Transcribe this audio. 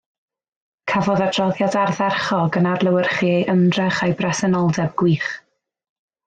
Cafodd adroddiad ardderchog, yn adlewyrchu ei ymdrech a'i bresenoldeb gwych